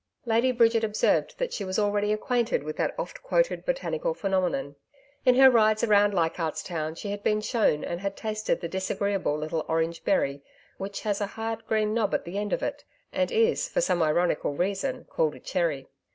Lady Bridget observed that she was already acquainted with that oft quoted botanical phenomenon. In her rides around Leichardt's Town she had been shown and had tasted the disagreeable little orange berry which has a hard green knob at the end of it and is, for some ironical reason, called a cherry.